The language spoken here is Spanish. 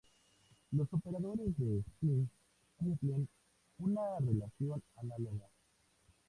Los operadores de espín cumplen una relación análoga.